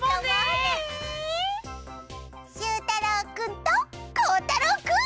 しゅうたろうくんとこうたろうくん。